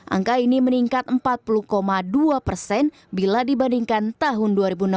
angka ini meningkat empat puluh dua persen bila dibandingkan tahun dua ribu enam belas